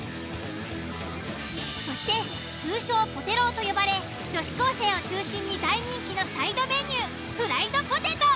そして通称ポテローと呼ばれ女子高生を中心に大人気のサイドメニュー。